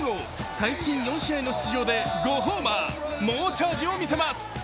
最近４試合の出場で５ホーマー、猛チャージを見せます。